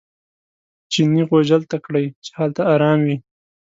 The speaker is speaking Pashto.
چیني غوجل ته کړئ چې هلته ارام وي.